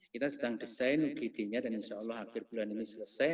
kita sedang desain igd nya dan insyaallah akhir bulan ini selesai